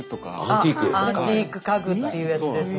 アンティーク家具っていうやつですね？